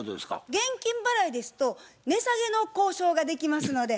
現金払いですと値下げの交渉ができますので。